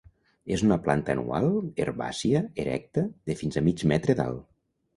És una planta anual herbàcia erecta, de fins a mig metre d'alt.